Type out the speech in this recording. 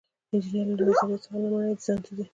انجینر له نظریاتو څخه لومړني ډیزاین ته ځي.